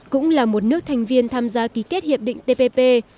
cũng là một nước thành viên tham gia ký kết hiệp định tpp